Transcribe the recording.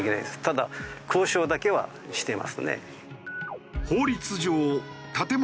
ただ交渉だけはしていますね。